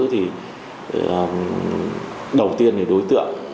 thì đầu tiên thì đối tượng